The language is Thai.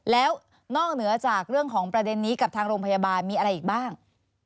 แล้วนอกเหนือจากเรื่องของประเด็นนี้กับทางโรงพยาบาลมีอะไรอีกบ้าง